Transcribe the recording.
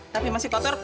tapi masih kotor